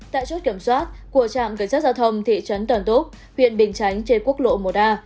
tại chốt kiểm soát của trạm cảnh sát giao thông thị trấn đoàn túc huyện bình chánh trên quốc lộ một a